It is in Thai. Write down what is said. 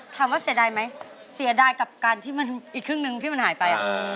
เสียดายไหมเสียดายกับการที่มันอีกครึ่งนึงที่มันหายไป